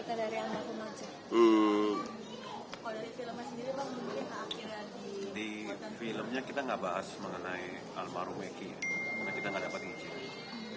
kalau dari filmnya sendiri apa mungkin akhirnya di